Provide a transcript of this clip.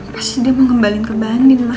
pasti dia mau ngembalin ke bandin ma